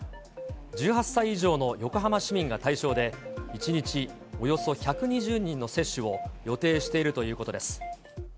１８歳以上の横浜市民が対象で、１日およそ１２０人の接種を予定しているということです。